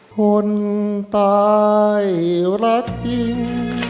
คนตายและจริง